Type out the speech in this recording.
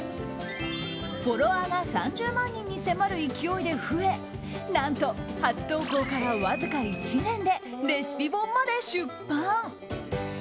フォロワーが３０万人に迫る勢いで増え何と初投稿からわずか１年でレシピ本まで出版。